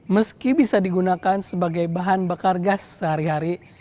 meski bisa digunakan sebagai bahan bakar gas sehari hari